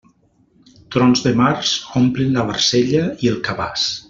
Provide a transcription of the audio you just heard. Trons de març omplin la barcella i el cabàs.